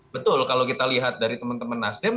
betul kalau kita lihat dari teman teman nasdem